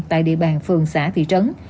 tại địa bàn phường xã thị trấn